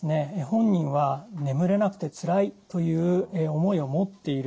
本人は眠れなくてつらいという思いを持っているんです。